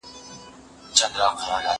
زه به سبا اوبه پاک کړم.